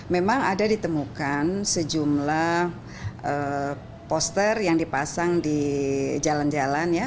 memang ada ditemukan sejumlah poster yang dipasang di jalan jalan ya